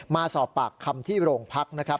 มาสอบปากคำที่โรงพักนะครับ